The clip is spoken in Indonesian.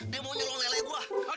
dia mau nyeluh lele gua